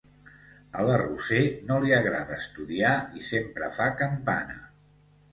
A la Roser no li agrada estudiar i sempre fa campana: